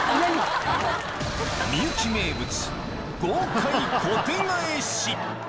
みゆき名物、豪快コテ返し。